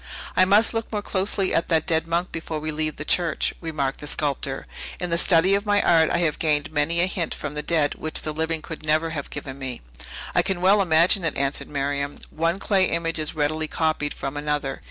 "I must look more closely at that dead monk before we leave the church," remarked the sculptor. "In the study of my art, I have gained many a hint from the dead which the living could never have given me." "I can well imagine it," answered Miriam. "One clay image is readily copied from another.